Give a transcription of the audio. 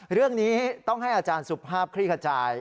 เรื่องนี้ต้องให้อาจารย์สุภาพคลี่ขจาย